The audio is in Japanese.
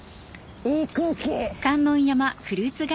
いい空気。